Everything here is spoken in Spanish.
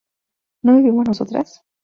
¿no bebimos nosotras?